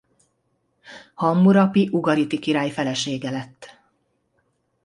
Hammurapi ugariti király felesége lett.